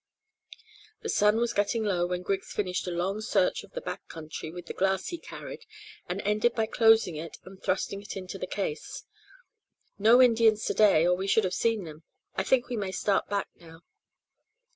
The sun was getting low when Griggs finished a long search of the back country with the glass he carried, and ended by closing it and thrusting it into the case. "No Indians to day, or we should have seen them. I think we may start back now."